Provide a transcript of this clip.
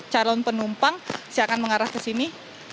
calon penumpang saya akan mengarah ke sini